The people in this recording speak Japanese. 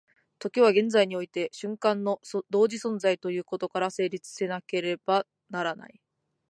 時は現在において瞬間の同時存在ということから成立せなければならない。